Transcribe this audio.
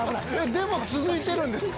でも続いてるんですか？